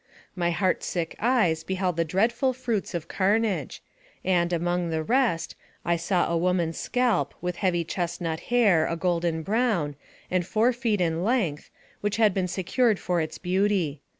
My heart sick eyes beheld the dreadful fruits of carnage ; and, among the rest, I saw a woman's scalp, with heavy chestnut hair, a golden brown, and four feet in length, which had been secured for its beauty.